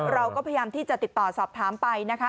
เราก็พยายามที่จะติดต่อสอบถามไปนะคะ